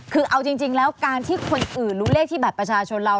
คือเอาจริงแล้วการที่คนอื่นรู้เลขที่บัตรประชาชนเรา